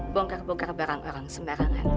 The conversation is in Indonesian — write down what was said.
bongkar bongkar barang orang sembarangan